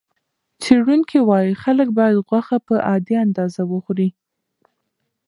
څېړونکي وايي خلک باید غوښه په عادي اندازه وخوري.